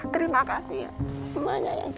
terima kasih ya semuanya yang diberikan syufah